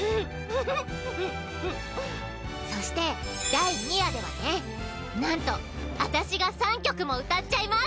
そして第２夜ではね何と私が３曲も歌っちゃいます。